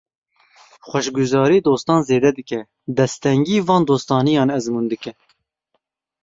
Xweşguzarî dostan zêde dike, desttengî van dostaniyan ezmûn dike.